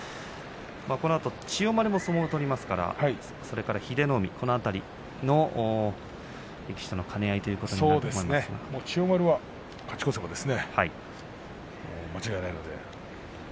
このあと千代丸も相撲を取りますからそれから英乃海この辺りの力士との兼ね合いということに千代丸は勝ち越せば間違いないので。